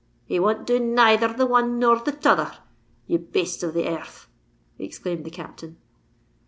"He won't do neither the one nor the t'other, ye bastes of the ear rth!" exclaimed the Captain.